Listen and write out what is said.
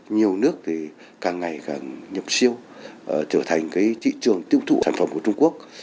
nhiều nước thì càng ngày càng nhập siêu trở thành thị trường tiêu thụ sản phẩm của trung quốc